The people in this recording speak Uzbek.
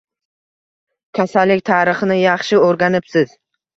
Kasallik tarixini yaxshi o`rganibsiz